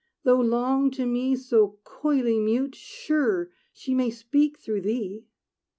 Though long to me so coyly mute, Sure she may speak through thee!"